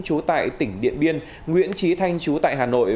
trú tại tỉnh điện biên nguyễn trí thanh chú tại hà nội